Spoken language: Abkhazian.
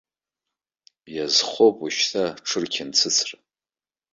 Иазхоуп уажәшьҭа аҽырқьанцыцра.